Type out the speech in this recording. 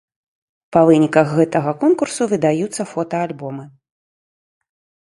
Па выніках гэтага конкурсу выдаюцца фотаальбомы.